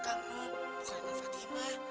ya kan nol bukan dengan fatimah